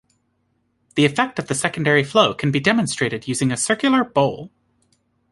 The effect of the secondary flow can be demonstrated using a circular bowl.